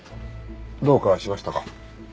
どうかしましたか？